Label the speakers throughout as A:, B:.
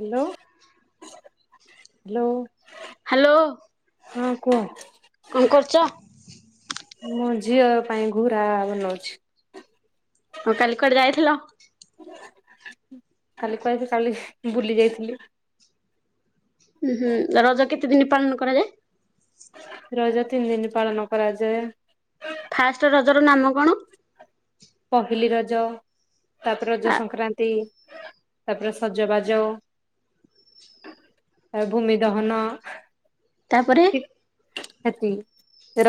A: Hello hello.
B: Hello
A: ହଁ କୁହ।
B: କଣ କରୁଚ?
A: ମୋ ଝିଅ ପାଇଁ ଘୁରା ବନଉଚି।
B: ହଁ କାଲି କୁଆଡେ ଯାଇଥିଲ?
A: କାଲି କୁଆଦେ ଯାଇଥିଲି, କାଲି ବୁଲି ଯାଇଥିଲି।
B: ଉ ହୁଁ ରଜ କେତେ ଦିନ ପାଳନ କରାଯାଏ?
A: ରଜ ତିନି ଦିନ ପାଳନ କରାଯାଏ।
B: ଫାଷ୍ଟ ରଜର ନାମ କଣ?
A: ପହିଲି ରଜ, ତାପରେ
B: ଆ
A: ରଜ ସଂକ୍ରାନ୍ତି, ତାପରେ ସଜବାଜ। ଆଉ ଭୂମି ଦହନ
B: ତାପରେ
A: ଏତିକି।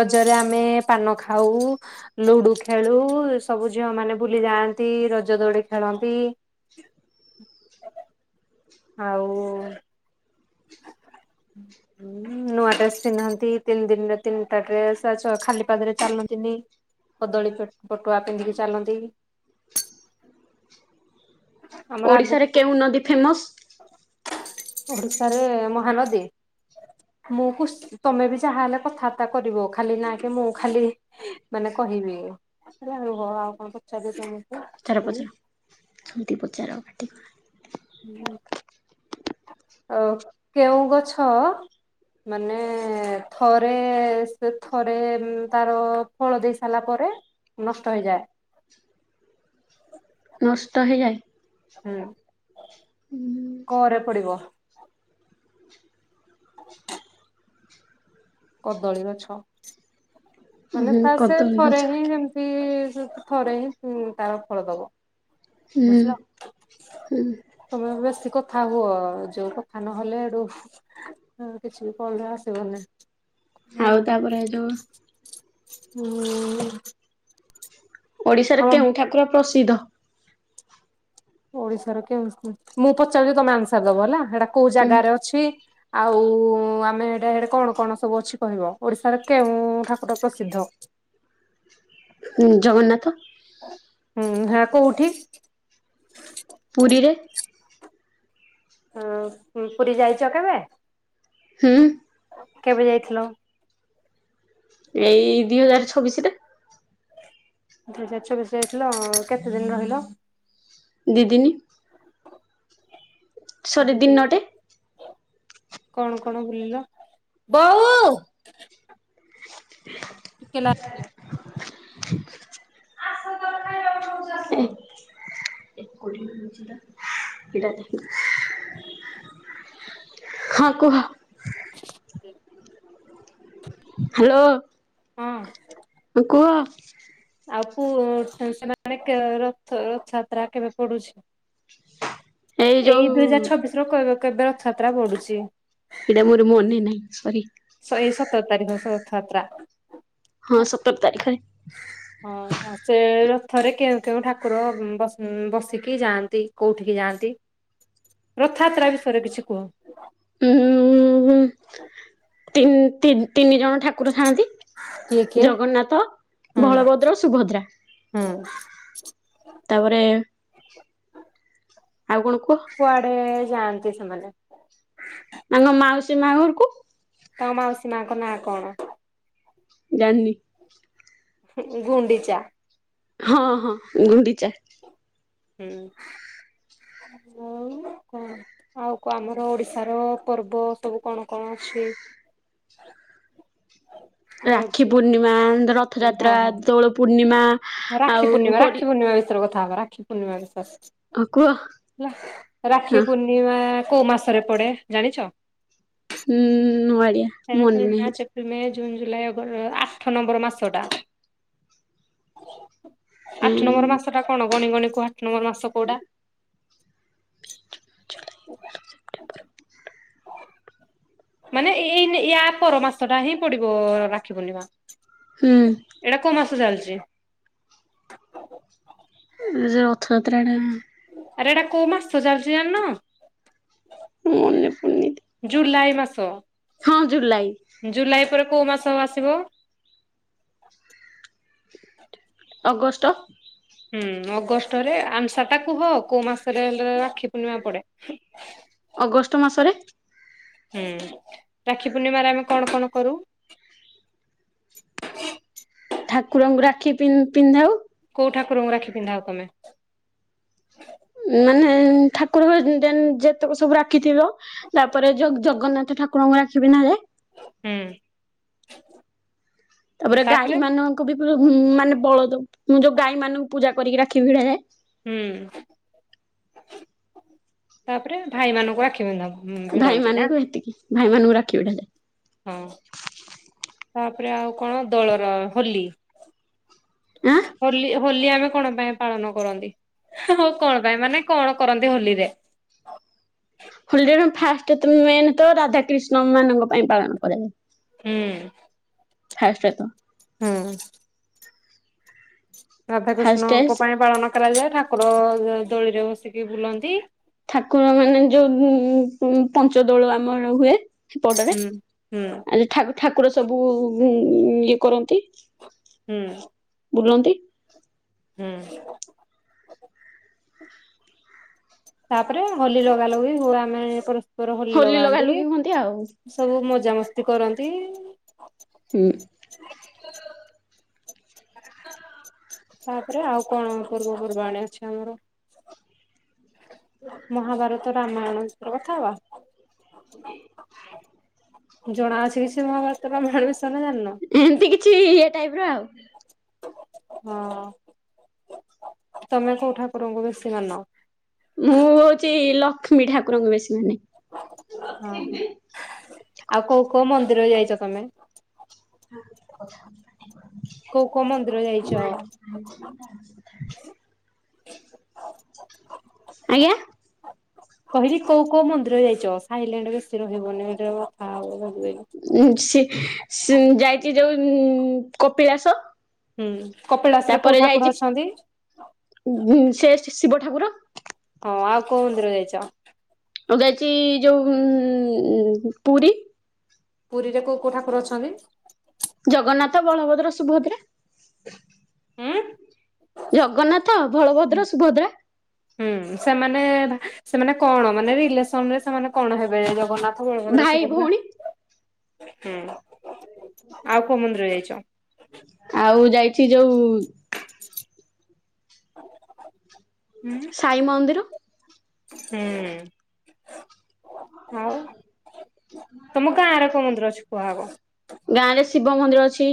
A: ରଜରେ ଆମେ ପାନ ଖାଉ, ଲୁଡୁ ଖେଳୁ, ସବୁ ଝିଅ ମାନେ ବୁଲି ଯାଆନ୍ତି ରଜ ଦୋଳି ଖେଳନ୍ତି। ଆଉ ନୂଆ ଡ୍ରେସ ପିନ୍ଧନ୍ତି, ତିନି ଦିନରେ ତିନିଟା ଡ୍ରେସ ଆଚ ଖାଲି ପାଦରେ ଚାଲନ୍ତିନି। କଦଳୀ ପ-ପଟୁଆ ପିନ୍ଧିକି ଚାଲନ୍ତି। ତମର
B: ଓଡିଶାରେ
A: ଆଗୁକୁ
B: କେଉଁ ନଦୀ ଫେମସ?
A: [unintelligible] ତାରେ ମହାନଦୀ ମୁଁ କୁସ୍। ତମେ ବି ଯାହାହେଲେ କଥାବାର୍ତ୍ତା କରିବ ଖାଲି ନା କି ମୁଁ ଖାଲି ମାନେ କହିବି। ଆଜ୍ଞା ରୁହ ଆଉ କଣ ପଚାରିବ ତୁମେ?
B: ପଚାର ପଚାର ସେମିତି ପଚାର ପାଟି କରନା।
A: ହୁଁ। ଅ କେଉଁ ଗଛ ମାନେ ଥରେ ସେ ଥରେ ତାର ଫଳ ଦେଇ ସାରିଲା ପରେ ନଷ୍ଟ ହେଇଯାଏ।
B: ନଷ୍ଟ ହେଇଯାଏ।
A: ହୁଁ କ ରେ ପଡିବ। [inaudible] କଦଳୀ ଗଛ। ମାନେ
B: ହୁଁ
A: ତା ସେ
B: କଦଳୀ ଗଛ
A: ଥରେ ହିଁ ଯେମତି ସେ ଥରେ ହିଁ ତାର ଫଳ ଦବ।
B: ହୁଁ
A: ବୁଝିଲ।
B: ହୁଁ
A: ତମେ ବେଶୀ କଥା ହୁଅ ଯୋଉ କଥା ନହେଲେ ଏଡୁ ଆଉ କିଛି ବି କଲ୍ ରେ ବି ଆସିବନି।
B: ଆଉ ତାପରେ ଯୋଉ
A: ହୁଁ।
B: ଓଡ଼ିଶାରେ
A: ଆମ
B: କେଉଁ ଠାକୁର ପ୍ରସିଦ୍ଧ?
A: ଓଡିଶାର କେଉଁ ମୁଁ ପଚାରୁଛି ତମେ ଆନ୍ସର ଦବ ହେଲା ସେଟା କୋଉ ଜାଗାରେ ଅଛି? ଆଉ ଆମେ ହେଟେ ହେଟେ କଣ କଣ ସବୁ ଅଛି କହିବ ଓଡିଶାରେ କେଉଁ ଠାକୁର ପ୍ରସିଦ୍ଧ?
B: ଉଁ ଜଗନ୍ନାଥ
A: ହୁଁ ସେଟା କୋଉଠି?
B: ପୁରୀରେ।
A: ଉଁ ହ ପୁରୀ ଯାଇଛ କେବେ?
B: ହୁଁ।
A: କେବେ ଯାଇଥିଲ?
B: ଏଇ ଦିଇ ହଜାର ଛବିଶରେ
A: ଦି ହଜାରେ ଛବିଷ ରେ ଯାଇଥିଲ ଉଁ କେତେ ଦିନ ରହିଲ?
B: ଦି ଦିିନି। ସରି
A: ଦି
B: ଦିନଟେ
A: ଦିନି କଣ କଣ ବୁଲିଲ? ବୋହୁ। ଟିକେ ଲା
B: ଆ [unintelligible] ହଁ କୁହ।
A: ହ
B: ହ୍ୟାଲୋ।
A: ହଁ।
B: କୁହ।
A: ଆଉ ପୁଅ [unintelligible] ରଥଯାତ୍ରା କେବେ ପଡୁଛି? ଏଇ ଦୁଇ ହଜାର ଛବିଶର କେବ କେବେ ରଥଯାତ୍ରା ପଢୁଛି?
B: ସେଇଟା ମୋର ମନେ ନାହିଁ ସରି।
A: ସ ଏଇ ସତର ତାରିଖ ରଥଯାତ୍ରା।
B: ହଁ ସତର ତାରିଖରେ।
A: ହଁ। ସେ ରଥରେ କେଉଁ କେଉଁ ଠାକୁର ବ-ବସିକି ଯାଆନ୍ତି କୋଉଠିକି ଯାଆନ୍ତି? ରଥଯାତ୍ରା ବିଷୟରେ କିଛି କୁହ?
B: ଉଁ ମୁଁ ବି ତି-ତିନି ଜଣ ଠାକୁର ଥାଆନ୍ତି।
A: କିଏ କିଏ
B: ଜଗନ୍ନାଥ
A: ହୁଁ
B: ବଳଭଦ୍ର ସୁଭଦ୍ରା।
A: ହୁଁ
B: ତାପରେ ଆଉ କଣ କୁହ?
A: କଡେ ଯାଆନ୍ତି ସେମାନେ?
B: ତାଙ୍କ ମାଉସୀ ମା ଘରକୁ।
A: ତ ମାଉସୀ ମାଙ୍କ ନାଁ କଣ?
B: ଜାଣିନି।
A: ହୁଁ ଘୁଣ୍ଡିଚା।
B: ହଁ ହଁ ଗୁଣ୍ଡିଚା।
A: ହୁଁ ଆଉ କଣ? ଆଉ କଣ ଆମର ଓଡିଶାର ପର୍ବ ତବୁ କଣ କଣ ଅଛି? ରଜ
B: ରାକ୍ଷୀ ପୂର୍ଣ୍ଣିମା
A: ହଁ
B: ରଥଯାତ୍ରା
A: ହଁ
B: ଦୋଳ ପୂର୍ଣ୍ଣିମା।
A: ରାକ୍ଷୀ
B: ଆଉ
A: ପୂର୍ଣ୍ଣିମା
B: ହୋଲି
A: ରାକ୍ଷୀ ପୂର୍ଣି ବିଷୟରେ କଥା ହବା ରାକ୍ଷୀ ପୂର୍ଣ୍ଣିମା ବିଷୟ
B: କୁହ
A: ହେଲା
B: ହଁ
A: ରାକ୍ଷୀ ପୂର୍ଣ୍ଣିମା କୋଉ ମାସରେ ପଡେ ଜାଣିଛ? [unintelligible]
B: ହୁଁ ନୂଆଳିଆ ମନେ ନାହିଁ
A: ମେ ଜୁନ୍ ଜୁଲାଇ ଅଗ୍ ଆଠ ନମ୍ବର ମାସ ଟା। ଆଠ ନମ୍ବର ମାସଟା କଣ ଗଣିଗଣି କୁହ ଆଠ ନମ୍ବର ମାସଟା କୋଉଟା? ମାନେ ଏଇନେ ୟା ପର ମାସ ଟା ହିଁ ପଡିବ ରାକ୍ଷୀ ପୂର୍ଣ୍ଣିମା।
B: ହୁଁ।
A: ଏଟା କୋଉ ମାସ ଚାଲିଚି।
B: ଉଁ ଯୋଉ ରଥଯାତ୍ରା ଟାଇମ୍
A: ଆରେ ଏଟା କୋଉ ମାସ ଚାଲିଚି ଜାଣିନ।
B: ମନେ ପଡୁନି
A: ଜୁଲାଇ ମାସ।
B: ହଁ ଜୁଲାଇ
A: ଜୁଲାଇ ପରେ କୋଉ ମାସ ଆସିବ।
B: ଅଗଷ୍ଟ।
A: ହୁଁ ଅଗଷ୍ଟରେ ଆନ୍ସାର୍ ଟା କୁହ କୋଉ ମାସରେ ହେଲେ ରାକ୍ଷୀ ପୂର୍ଣ୍ଣିମା ପଡେ।
B: ଅଗଷ୍ଟ ମାସରେ।
A: ହୁଁ ରାକ୍ଷୀ ପୂର୍ଣ୍ଣିମାରେ ଆମେ କଣ କଣ କରୁ।
B: ଠାକୁରଙ୍କୁ ରାକ୍ଷୀ ପିନ୍ ପିନ୍ଧାଉ।
A: କୋଉ ଠାକୁରଙ୍କୁ ରାକ୍ଷୀ ପିନ୍ଧାଅ ତମେ।
B: ଉଁ ମାନେ ଠାକୁର ଘରେ ଜେନ୍ ଯେତକ ସବୁ ରାକ୍ଷୀଥିବ। ତାପରେ ଜଗ ଜଗନ୍ନାଥ ଠାକୁରଙ୍କୁ ରାକ୍ଷୀ ପିନ୍ଧାଯାଏ।
A: ହୁଁ।
B: ତାପରେ ଗାଈ ମାନଙ୍କୁ ବି ପ୍ରଭୁ ଉଁ ମାନେ ବଳଦ ମୁଁ ଯୋଉ ଗାଈ ମାନଙ୍କୁ ପୂଜା କରିକି ରାକ୍ଷୀ ଭିଡା ଯାଏ।
A: ହୁଁ ତାପରେ ଭାଇ ମାନଙ୍କୁ ରାକ୍ଷୀ ବାନ୍ଧାହବ।
B: ଭାଇମାନଙ୍କୁ ହେତିକି ଭାଇମାନାଙ୍କୁ ରାକ୍ଷୀ ଭିଡା ଯାଏ।
A: ହଁ ତାପେରେ ଆଉ କଣ ଦୋଳର ହୋଲି।
B: ଆଁ
A: ହୋଲି ହୋଲି ଆମେ କଣ ପାଇଁ ପାଳନ କରନ୍ତି। ହେ ହୋଉ କଣ ପାଇଁ ମାନେ କଣ କରନ୍ତି ହୋଲିରେ।
B: ହୋଲିଣ ଫାଷ୍ଟ ତ ମେନ୍ ତ ରାଧାକ୍ରିଷ୍ଣ ମାନଙ୍କ ପାଇଁ ପାଳନ କରାଯାଏ।
A: ହୁଁ।
B: [unintelligible]
A: ହୁଁ। ରାଧାକୃଷ୍ଣଙ୍କ
B: ଫାଷ୍ଟ
A: ପାଇଁ ପାଳନ କରାଯାଏ। ଠାକୁର ଦୋ ଦୋଳିରେ ବସିକି ବୁଲନ୍ତି।
B: ଠାକୁର ମାନେ ଯୋଉ ଉଁ ପ ପଞ୍ଚଦୋଳ ଆମର ହୁଏ। ହେପଟରେ
A: ହୁଁ ହୁଁ
B: ଆଜି ଠାକ ଠାକୁର ସବୁ ଉଁ ଇଏ କରନ୍ତି।
A: ହୁଁ।
B: ବୁଲନ୍ତି।
A: ହୁଁ। ତାପରେ ହୋଲି ଲଗାଲଗି ହୁଏ ଆମେ ପରସ୍ପର ହୋଲି
B: ଲଗା
A: ଲଗାନ୍ତି।
B: ଲୁଗି ହୁଅନ୍ତି ଆଉ
A: ସବୁ ମଜା ମସ୍ତି କରନ୍ତି।
B: ହୁଁ।
A: ତାପରେ ଆଉ କଣ ପୂର୍ବପୂର୍ବାଣି ଅଛି ଆମର। ମହାଭାରତ ରାମାୟଣର ବିଷୟରେ କଥା ହବା।
B: [inaudible]
A: ଜଣା ଅଛି କିଛି ମହାଭାରତ ବା ରାମୟାଣ ବିଷୟରେ ନା ଜାଣିନ।
B: ଏମତି କିଛି ଇଏ ଟାଇପ ର ଆଉ।
A: ହଁ ତମେ କୋଉ ଠାକୁରଙ୍କୁ ବେଶୀ ମାନ।
B: ମୁଁ ହୋଉଚି ଲ କ୍ଷ୍ମୀ ଠାକୁରଙ୍କୁ ବେଶୀ ମାନେ।
A: ହଁ ଆଉ କୋଉ କୋଉ ମନ୍ଦିର ଯାଇଚ ତମେ। କୋଉ କୋଉ
B: ନାଇଁ
A: ମନ୍ଦିର ଯାଇଛ?
B: [unintelligible]
A: [inaudible]
B: ଆଜ୍ଞା।
A: କହିଲି କୋଉ କୋଉ ମନ୍ଦିର ଯାଇଚ ସାଇଲେଣ୍ଟ ବେଶି ରହିବନି [unintelligible] କଥା ହବ ବେଗି ବେଗି।
B: ଉଁ ସିଏ ସି ଯାଇଚି ଯୋଉ ଉଁ କପିଳାସ।
A: ହୁଁ କପିଳାସରେ
B: ତାପରେ
A: କୋଉ
B: ଯାଇଛି
A: ଠାକୁର ଅଛନ୍ତି?
B: ସେ ଶିବ ଠାକୁର।
A: ହଁ ଆଉ କୋଉ ମନ୍ଦିର ଯାଇଚ?
B: ମୁଁ ଯାଇଚି ଯୋଉ ଉଁ ପୁରୀ।
A: ପୁରୀରେ କୋଉ କୋଉ ଠାକୁର ଅଛନ୍ତି?
B: ଜଗନ୍ନାଥ, ବଳଭଦ୍ର, ସୁଭଦ୍ରା।
A: ଉଁ।
B: ଜଗନ୍ନାଥ, ବଳଭଦ୍ର, ସୁଭଦ୍ରା।
A: ହୁଁ ସେମାନେ ସେମାନେ କଣ ମାନେ ରିଲେସନରେ ସେମାନେ କଣ ହେବେ ଜଗନ୍ନାଥ ଜଗନ୍ନାଥ, ବଳଭଦ୍ର,
B: ଭାଇ
A: ସୁଭଦ୍ରା
B: ଭଉଣୀ
A: ହୁଁ ଆଉ କଉ ମନ୍ଦିର ଯାଇଚ?
B: ଆଉ ଯାଇଚି ଯଉ
A: ଉଁ।
B: ସାଇ ମନ୍ଦିର।
A: ହୁଁ ଉଁ। ଆଉ ତମ ଗାଁରେ କଉ ମନ୍ଦିର ଅଛି କୁହ ଆଗ?
B: ଗାଁ ରେ ଶିବ ମନ୍ଦିର ଅଛି,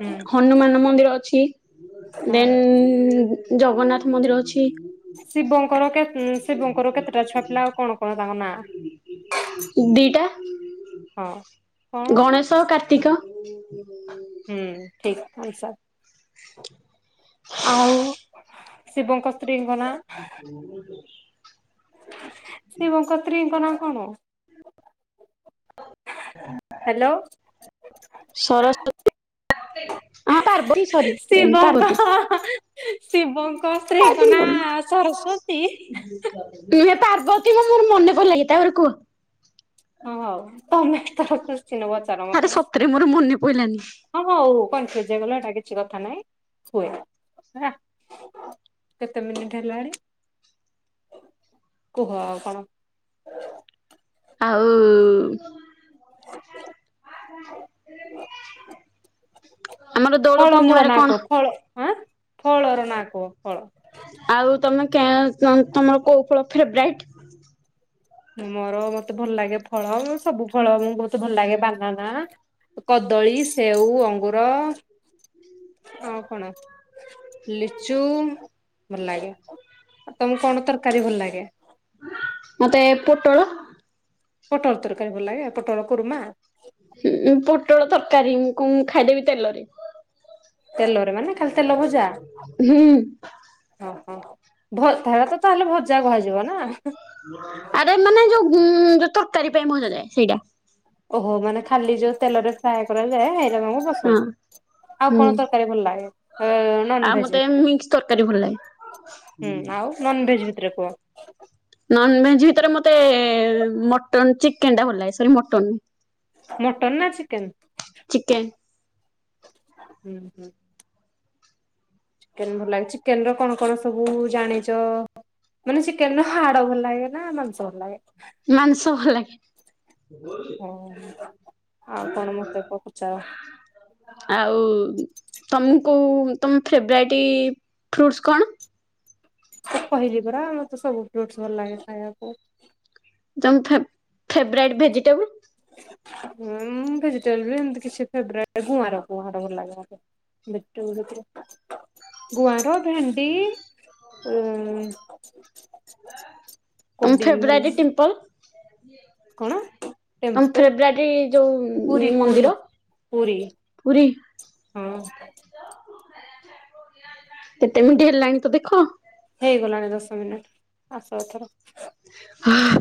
A: ହୁଁ।
B: ହନୁମାନ ମନ୍ଦିର ଅଛି,
A: ହଁ।
B: ଦେନ୍ ଜଗନ୍ନାଥ ମନ୍ଦିର ଅଛି।
A: ଶିବଙ୍କର କେତ୍ ହୁଁ ଶିବଙ୍କର କେତେଟା ଛୁଆ ପିଲା ଆଉ କଣ କଣ ତାଙ୍କ ନାଁ?
B: ଦିଟା
A: ହଁ କଣ?
B: ତ କାର୍ତ୍ତିକ। [inaudible]
A: ହୁଁ ଠିକ ସେ ଆଉ ଶିବଙ୍କ ସ୍ତ୍ରୀଙ୍କ ନାଁ?
B: ହ ହୁ [unintelligible]
A: ଶିବଙ୍କ ସ୍ତ୍ରୀଙ୍କ ନାଁ କଣ? ହାଲୋ।
B: ସରସ୍ଵତୀ ହଁ ପାର୍ବତୀ ସରି
A: ଶିବଙ୍କ
B: ପାର୍ବତୀ।
A: ଶିବଙ୍କ ସ୍ତ୍ରୀଙ୍କନା ସରସ୍ଵତୀ?
B: ନୁହେଁ ପାର୍ବତୀ ମ ମୋର ମନେ ପଡିଲାନି ତାପରେ କୁହ।
A: ହଁ ହଉ ତମେ ଏଥର କୁସ୍ଚିନ ପଚାର
B: ଆରେ
A: ମତେ।
B: ସତରେ ମୋର ମନେ ପଇଲାନି
A: ହଁ ହଉ କନଫ୍ୟୁଜ ହେଇଗଲ ହେଟା କିଛି କଥା ନାଇଁ ହୁଏ ହେଲା। କେତେ ମିନିଟ ହେଲାଣି। କୁହ ଆଉ କଣ।
B: ଆଉ ଉ। ହ [inaudible]
A: ଫଳ ମୂଳ ନା
B: କଣ
A: କୁହ ଫଳ ଆଁ ଫଳର ନାଁ କୁହ ଫଳ?
B: ଆଉ ତମେ କାଁ ତମର କୋଉ ଫଳ ଫେବରାଇଟ୍?
A: ମୋର ମତେ ଭଲ ଲାଗେ ଫଳ ସବୁ ଫଳ ମୁଁ ବହୁତ ଭଲ ଲାଗେ ବାନାନା କଦଳୀ, ସେଉ, ଅଙ୍ଗୁର। ଆଉ କଣ ଲିଚୁ ଭଲ ଲାଗେ। ଆଉ ତମକୁ କଣ ତରକାରୀ ଭଲ ଲାଗେ?
B: ମତେ ପୋଟଳ
A: ପୋଟଳ ତରକାରୀ ଭଲ ଲାଗେ ଆଉ ପୋଟଳ କୁର୍ମା।
B: ହୁଁ ପୋଟଳ ତରକାରୀ କଁ ଖାଇଦେବି ତେଲରେ।
A: ତେଲରେ ମାନେ? ଖାଲି ତେଲ
B: ହୁଁ [unintelligible]
A: ଓହୋ ଭ ହେରାତ ତାହେଲେ ଭଜା କୁହାଯିବ ନା?
B: ଆରେ ମାନେ ଯୋଉଁ ଗୁଁ ଯୋଉ ତରକାରୀ ପାଇଁ ଭଜାଯାଏ ସେଇଟା।
A: ଓହୋ ମାନେ ଖାଲି ଯୋଉ ତେଲରେ ଫ୍ରାଏ କରାଯାଏ ହେଇରା ତମକୁ ହୁଁ
B: ହଁ।
A: ଆଉ
B: ହୁଁ
A: କଣ ତରକାରୀ ଭଲ ଲାଗେ ଉଁ
B: ଆଉ
A: ନନ ଭେଜ
B: ମତେ
A: ଭିତରେ।
B: ମିକ୍ସ ତରକାରୀ ଭଲ ଲାଗେ।
A: ହୁଁ ଆଉ ନନ ଭେଜ ଭିତରେ କୁହ।
B: ନନଭେଜ ଭିତରେ ମତେ ମଟନ୍ ଚିକେନ ଟା ଭଲ ଲାଗେ ସରି ମଟନ
A: ମଟନ ନା ଚିକେନ?
B: ଚିକେନ୍।
A: ହୁଁ ହୁଁ। ଚିକେନ ଭଲ ଲାଗୁଛି ଚିକେନ ର କଣ କଣ ସବୁ ଜାଣିଚ? ମାନେ ଚିକେନ ହାଡ଼ ଭଲ ଲାଗେ ନା ମାଂସ ଭଲ ଲାଗେ?
B: ମାଂସ ଭଲ ଲାଗେ।
A: ହଁ। ଆଉ କଣ ମତେ ପଚାର?
B: ଆଉ ତମକୁ କଉ ତମ ଫେଭରାଇଟି ଫ୍ରୁଟ୍ସ୍ କଣ?
A: କହିଲି ପରା ମତେ ସବୁ ଫ୍ଲୁଟ ଭଲ ଲାଗେ ଖାଇବାକୁ।
B: ତମ ଫେବ ଫେବରାଇଟ ଭେଜିଟେବୁଲ?
A: ଭେଜିଟେବୁଲ କୁ ଲାଗେ ମତେ। [unintelligible] ଗୁଆର ଭେଣ୍ଡି ଉ
B: ତମ ଫେବ୍ରୀ ଟିମ୍ପଲ?
A: କଣ?
B: ତମ
A: ଟେମ୍ପୁଲ
B: ଫେବରାଇଟ୍ ଯୋଉ
A: ପୁରୀ
B: ମନ୍ଦିର
A: ପୁରୀ ପୁରୀ।
B: ପୁରୀ।
A: ହଁ।
B: କେତେ ମିନିଟ ହେଲାଣି ତ ଦେଖ?
A: ହେଇଗଲାଣି ଦଶ ମିନିଟ ଆସ ଏଥର।
B: ହଁ।